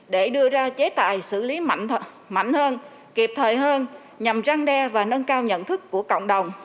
để đưa ra chế tài xử lý mạnh hơn kịp thời hơn nhằm răng đe và nâng cao nhận thức của cộng đồng